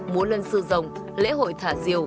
múa lân sư dòng lễ hội thả diều